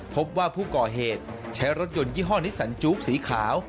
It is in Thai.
พบว่าผู้ก่อเหตุใช้รถยนต์ยี่ห้อนิสสันจู๊กสีขาว